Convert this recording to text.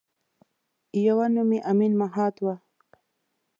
یوه نوم یې امین مهات وه.